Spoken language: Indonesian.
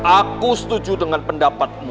aku setuju dengan pendapatmu